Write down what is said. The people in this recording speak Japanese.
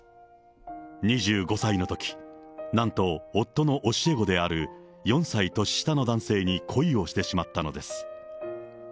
２５歳のとき、なんと夫の教え子である４歳年下の男性に恋をしてしまったのです。